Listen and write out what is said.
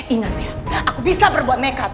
ingat ya aku bisa berbuat nekat